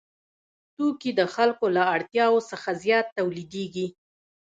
توکي د خلکو له اړتیاوو څخه زیات تولیدېږي